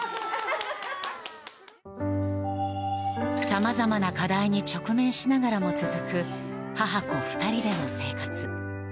さまざまな課題に直面しながらも続く母子２人での生活。